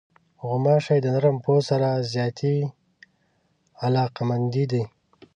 غوماشې د نرم پوست سره زیاتې علاقمندې دي.